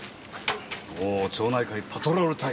おぉ「町内会パトロール隊」。